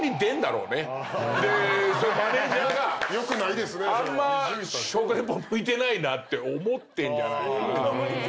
でマネジャーがあんま食リポ向いてないなって思ってんじゃないかな。